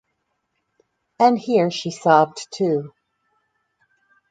And here she sobbed too.